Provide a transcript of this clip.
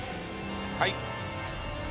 はい。